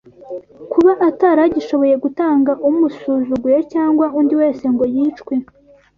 Kuba atari agishoboye gutanga umusuzuguye cyangwa undi wese ngo yicwe